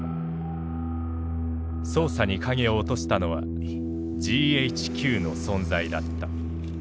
捜査に影を落としたのはＧＨＱの存在だった。